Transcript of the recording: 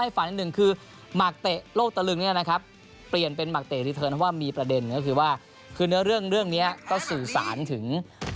เพราะว่ามีประเด็นก็คือว่าคือเนื้อเรื่องนี้ก็สื่อสารถึง